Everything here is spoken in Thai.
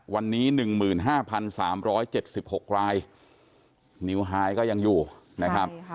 วันนี้๑๕๓๗๖รายนิวไฮก็ยังอยู่นะครับ